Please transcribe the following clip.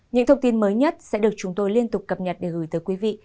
những thông tin mới nhất sẽ được chúng tôi liên tục cập nhật để gửi tới quý vị